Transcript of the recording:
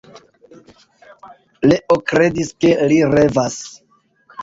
Leo kredis, ke li revas.